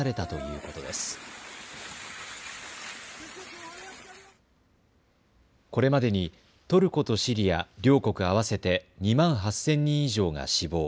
これまでにトルコとシリア両国合わせて２万８０００人以上が死亡。